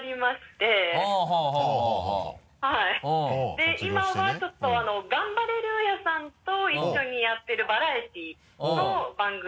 で今はちょっとガンバレルーヤさんと一緒にやってるバラエティーの番組。